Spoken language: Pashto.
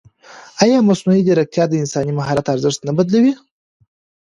ایا مصنوعي ځیرکتیا د انساني مهارت ارزښت نه بدلوي؟